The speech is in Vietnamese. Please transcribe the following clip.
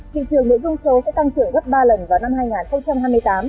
thị trường nội dung số sẽ tăng trưởng gấp ba lần vào năm hai nghìn hai mươi tám